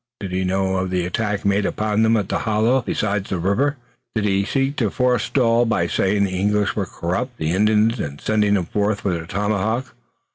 Did he know of the attack made upon them at the hollow beside the river? Did he seek to forestall by saying the English were corrupting the Indians and sending them forth with the tomahawk?